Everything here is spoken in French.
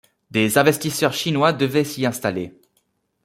Des investisseurs chinois devaient s'y installer.